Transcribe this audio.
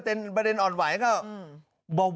สมัยไม่เรียกหวังผม